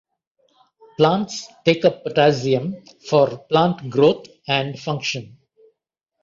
Plants take up potassium for plant growth and function.